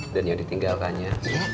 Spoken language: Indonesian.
dan yang ditinggalkannya